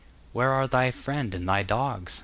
'Where are thy friend and thy dogs?